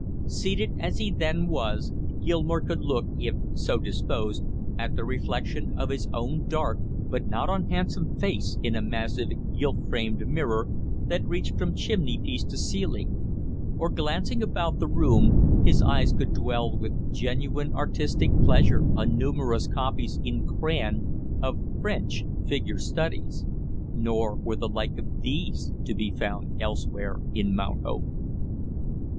Seated as he then was, Gilmore could look, if so disposed, at the reflection of his own dark but not unhandsome face in a massive gilt framed mirror that reached from chimneypiece to ceiling; or, glancing about the room, his eyes could dwell with genuine artistic pleasure on numerous copies in crayon of French figure studies; nor were the like of these to be found elsewhere in Mount Hope.